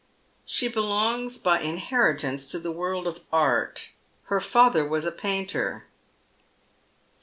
" She belongs by inheritance to the world of art. Her father was a painter."